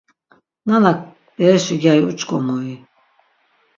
Nanak bereşi gyari uç̌ǩomui?